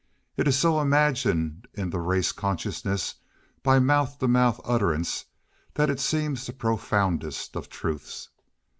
It is so ingrained in the race consciousness by mouth to mouth utterance that it seems the profoundest of truths.